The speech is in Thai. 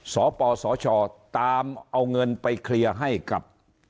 สปสชตามเอาเงินไปเคลียร์ให้กับ